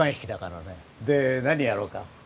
で何やろうか？